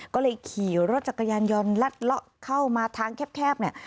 ก็เลยขี่รถจักรยานยนต์ลัดเลาะเข้ามาทางแคบเนี่ย